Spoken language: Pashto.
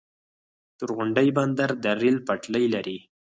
تورغونډۍ بندر د ریل پټلۍ لري؟